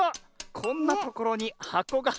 こんなところにはこが！